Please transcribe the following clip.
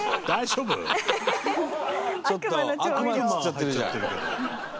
ちょっと。